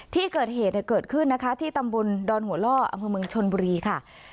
ที่เกิดเหตุเกิดขึ้นนะคะที่ตำบลดอนหัวล่ออำเภอเมืองชนบุรีค่ะ